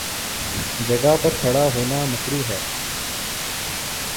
جگہ پر کھڑا ہونا مکروہ ہے۔